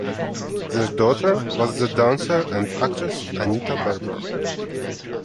Their daughter was the dancer and actress Anita Berber.